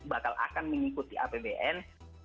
bakal akan mengikuti apbn